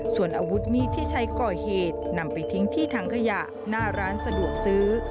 ส่วนอาวุธมีดที่ใช้ก่อเหตุนำไปทิ้งที่ถังขยะหน้าร้านสะดวกซื้อ